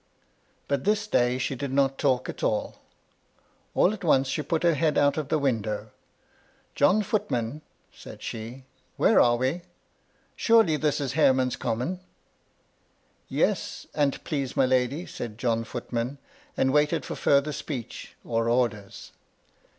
But this day she did not talk at all. All at once she put her head out of the window. " John Footman," said she, " where are we ? Surely this is Hareman's Common." " Yes, an't please my lady," said John Footman, and waited for further speech or orders.